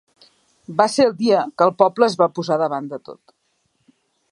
Va ser el dia que el poble es va posar davant de tot.